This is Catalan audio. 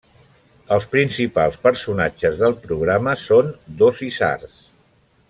Els principals personatges del programa són dos isards: